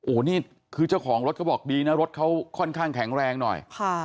โอ้โหนี่คือเจ้าของรถเขาบอกดีนะรถเขาค่อนข้างแข็งแรงหน่อย